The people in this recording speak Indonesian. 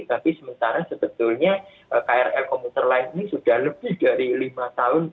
tapi sementara sebetulnya krl komuter lain ini sudah lebih dari lima tahun